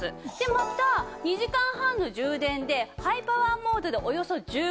また２時間半の充電でハイパワーモードでおよそ１５分